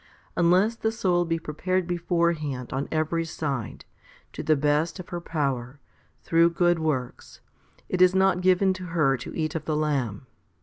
Unless the soul be prepared beforehand on every side, to the best of her power, through good works, it is not given to her to eat of the lamb.